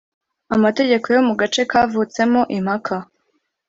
Amategeko yo mu gace kavutsemo impaka